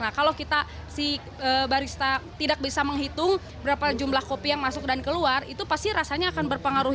nah kalau kita si barista tidak bisa menghitung berapa jumlah kopi yang masuk dan keluar itu pasti rasanya akan berpengaruh